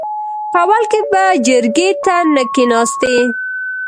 په اول کې به جرګې ته نه کېناستې .